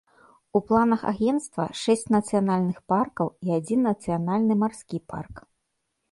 У планах агенцтва шэсць нацыянальных паркаў і адзін нацыянальны марскі парк.